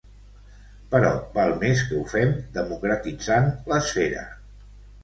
Però val més que ho fem democratitzant l’esfera.